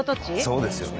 そうですよね。